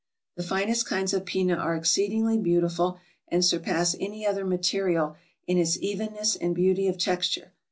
The finest kinds of pina are exceed ingly beautiful and surpass any other material in its even ness and beauty of texture.